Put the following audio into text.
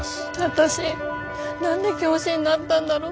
私何で教師になったんだろう。